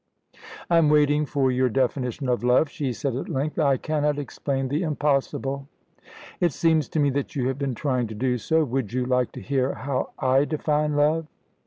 "I am waiting for your definition of love," she said at length. "I cannot explain the impossible." "It seems to me that you have been trying to do so. Would you like to hear how I define love?"